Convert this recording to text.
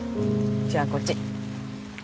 じゃあこっち。